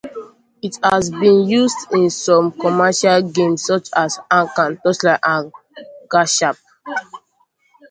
It has been used in some commercial games such as "Ankh", "Torchlight" and "Garshasp".